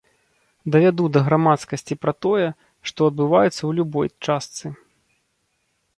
Давяду да грамадскасці пра тое, што адбываецца ў любой частцы.